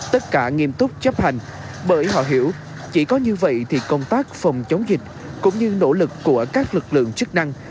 tất cả nghiêm túc chấp hành bởi họ hiểu chỉ có như vậy thì công tác phòng chống dịch cũng như nỗ lực của các lực lượng chức năng